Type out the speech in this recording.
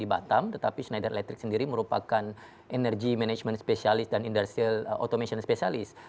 kita tidak hanya di pabrik di batam tetapi schneider electric sendiri merupakan energy management specialist dan industrial automation specialist